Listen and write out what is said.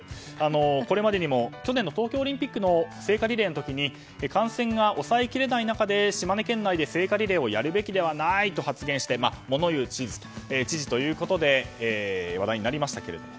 これまでにも去年の東京オリンピックの聖火リレーの時に感染が抑えきれない中で島根県内で聖火リレーをやるべきではないと発言して物言う知事ということで話題になりましたけれども。